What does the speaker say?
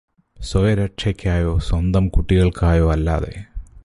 സ്വയരക്ഷയ്കായോ സ്വന്തം കുട്ടികള്ക്കായോ അല്ലാതെ